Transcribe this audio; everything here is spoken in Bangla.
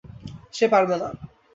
সে পারবে না।